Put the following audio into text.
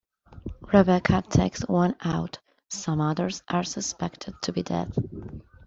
Rebecca takes one out; some others are suspected to be dead.